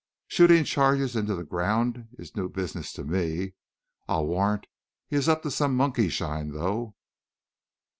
"Shooting charges into the ground is new business to me. I'll warrant he is up to some monkeyshine, though."